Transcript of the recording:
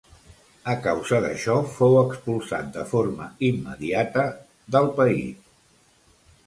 A causa d'això fou expulsat de forma immediata del país.